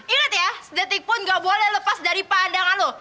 ingat ya sedetikpun gak boleh lepas dari pandangan lo